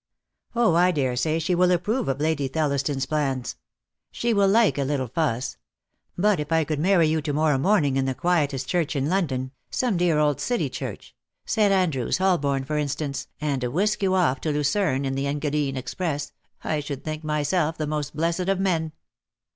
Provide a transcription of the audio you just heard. "Oh, I daresay she will approve of Lady Thel liston's plans. She will like a little fuss. But if I could marry you to morrow morning in the quietest church in London — some dear old City church — St. Andrew's, Holborn, for instance, and whisk you off to Lucerne in the Engadine Ex press, I should think myself the most blessed of men."